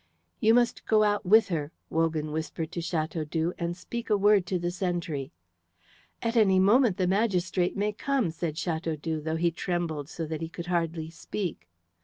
"You must go out with her," Wogan whispered to Chateaudoux, "and speak a word to the sentry." "At any moment the magistrate may come," said Chateaudoux, though he trembled so that he could hardly speak.